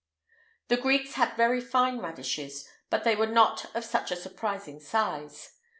The Greeks had very fine radishes, but they were not of such a surprising size.